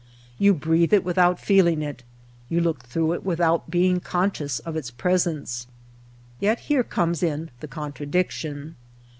Yon breathe it without feel ing it, you look through it without being con scious of its presence. Yet here comes in the contradiction.